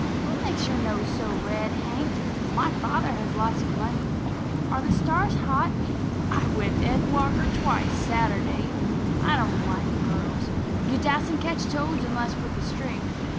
What makes your nose so red, Hank? My father has lots of money. Are the stars hot? I whipped Ed Walker twice, Saturday. I don't like girls. You dassent catch toads unless with a string.